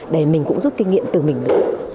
để mình cũng giúp kinh nghiệm từ mình nữa